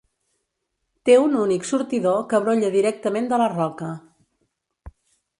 Té un únic sortidor que brolla directament de la roca.